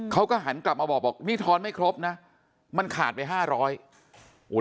เขาก็หันกลับมาบอกนี่ทอนไม่ครบนะมันขาดไป๕๐๐บาท